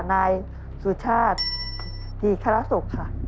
นายสุชาติธีคารสุขค่ะ